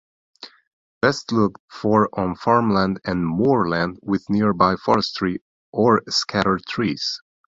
Best looked for on farmland and moorland with nearby forestry or scattered trees.